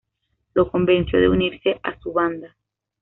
Lo convenció de unirse a su banda.